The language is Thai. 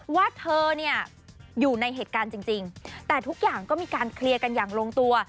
ว่าเธอเนี่ยอยู่ในเหตุการณ์จริงแต่ทุกอย่างก็มีการเคลียร์กันอย่างลงตัว